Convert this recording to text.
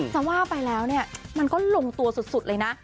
จะว่าไปแล้วเนี่ยมันก็ลงตัวสุดเลยนะ